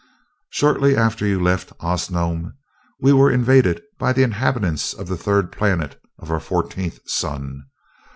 "Shortly after you left Osnome we were invaded by the inhabitants of the third planet of our fourteenth sun.